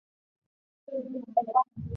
季姒又对公甫说公思展和申夜姑要挟她。